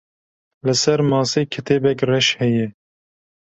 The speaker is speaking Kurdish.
Li ser masê kitêbek reş heye.